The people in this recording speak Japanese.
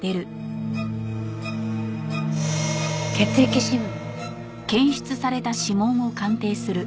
血液指紋。